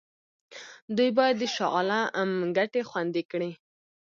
دوی باید د شاه عالم ګټې خوندي کړي.